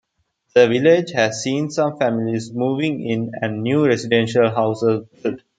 The village has seen some families moving in and new residential houses built.